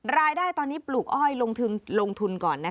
รายได้ตอนนี้ปลูกอ้อยลงทุนก่อน